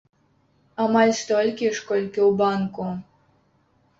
Амаль столькі ж, колькі ў банку.